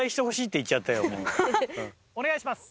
お願いします。